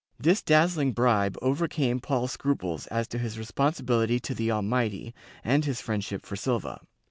^ This dazzling bribe overcame Paul's scruples as to his responsibility to the Almighty and his friendship for Silva.